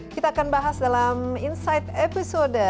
kita akan bahas dalam insight episode